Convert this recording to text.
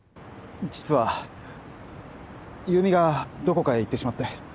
実は優実がどこかへ行ってしまって。